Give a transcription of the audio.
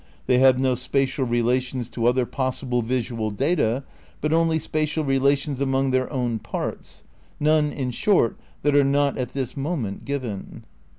They have no spatial relations to other possible visual data, but only spatial re lations among their own parts — none, in short, that are not at this moment given."